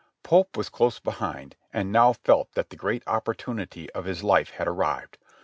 Pope was close behind and now felt that the great opportunity of his life had arrived.